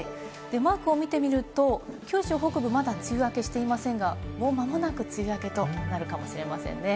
マークを見てみると、九州北部まだ梅雨明けしていませんが、もう間もなく梅雨明けとなるかもしれませんね。